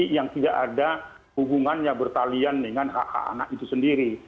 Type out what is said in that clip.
yang tidak ada hubungannya bertalian dengan hak hak anak itu sendiri